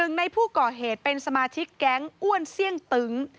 ในผู้ก่อเหตุเป็นสมาชิกแก๊งอ้วนเสี่ยงตึ้ง